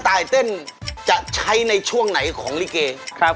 ตามใจเจ้าพ่อเจ้าพ่อครับ